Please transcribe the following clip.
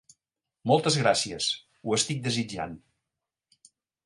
Moltes gràcies. Ho estic desitjant.